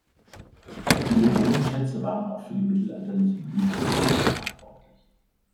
Diese Bodenschätze waren auch für die mittelalterliche Blüte des Ortes verantwortlich.